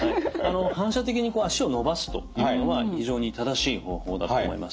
反射的に足を伸ばすというのは非常に正しい方法だと思います。